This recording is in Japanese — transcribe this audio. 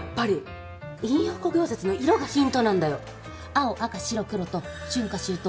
青赤白黒と春夏秋冬